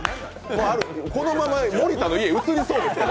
このまま森田の家映りそうですね。